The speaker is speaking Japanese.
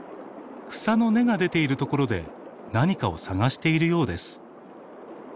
草の根が出ている所で何かを探しているようです。